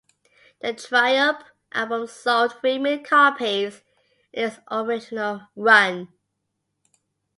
The "Triumph" album sold three million copies in its original run.